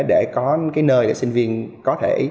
để có nơi để sinh viên có thể